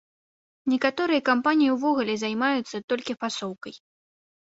Некаторыя кампаніі ўвогуле займаюцца толькі фасоўкай.